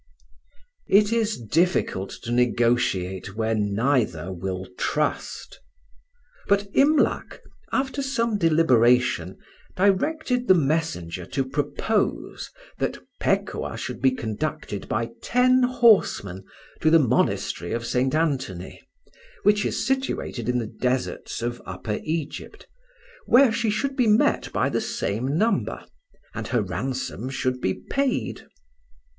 It is difficult to negotiate where neither will trust. But Imlac, after some deliberation, directed the messenger to propose that Pekuah should be conducted by ten horsemen to the monastery of St. Anthony, which is situated in the deserts of Upper Egypt, where she should be met by the same number, and her ransom should be paid.